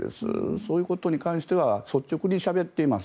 そういうことに関しては率直にしゃべっています。